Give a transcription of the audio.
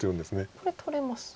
これ取れます。